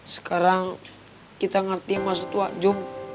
sekarang kita ngerti maksud wak jum